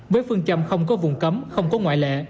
với phương châm không có vùng cấm không có ngoại lệ